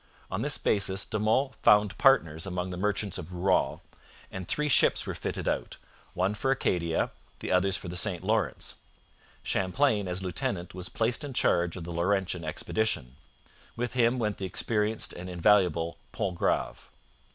On this basis De Monts found partners among the merchants of Rouen, and three ships were fitted out one for Acadia, the others for the St Lawrence. Champlain, as lieutenant, was placed in charge of the Laurentian expedition. With him went the experienced and invaluable Pontgrave.